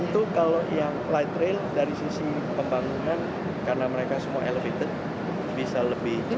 tentu kalau yang light rail dari sisi pembangunan karena mereka semua elevated bisa lebih tinggi